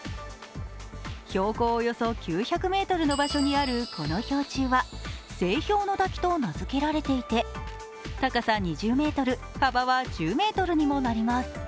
標高およそ９００ｍの場所にあるこの氷柱は青氷の滝と名付けられていて、高さ２０ｍ、幅は１０ｍにもなります。